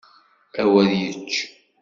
Awer yečč!